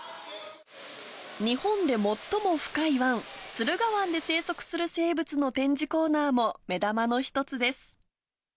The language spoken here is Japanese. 日本で最も深い湾、駿河湾で生息する生物の展示コーナーも目玉の一つです。